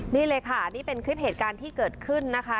นี่เลยค่ะนี่เป็นคลิปเหตุการณ์ที่เกิดขึ้นนะคะ